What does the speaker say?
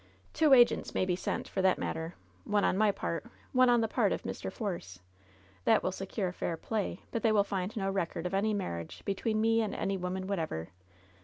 Two agents may be sent, for that matter ; one on my part, one on the part of Mr. Force. That will secure fair play ; but they will find no record of any marriage between me and any woman whatever.